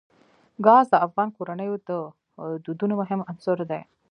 ګاز د افغان کورنیو د دودونو مهم عنصر دی.